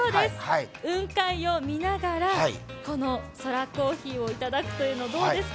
雲海を見ながらこのＳＯＲＡ珈琲をいただくというの、どうですか？